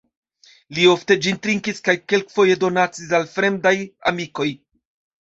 Li ofte ĝin trinkis kaj kelkfoje donacis al fremdaj amikoj.